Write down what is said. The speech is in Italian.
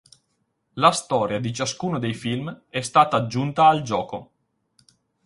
La storia di ciascuno dei film è stata aggiunta al gioco.